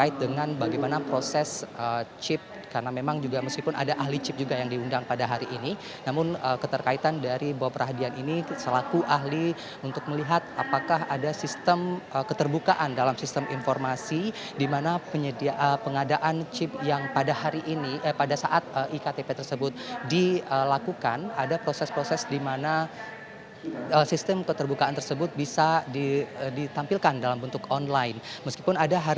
fakultas ilmu komputer universitas indonesia fakultas ilmu komputer universitas indonesia